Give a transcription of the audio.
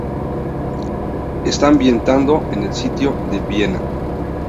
Está ambientado en el sitio de Viena.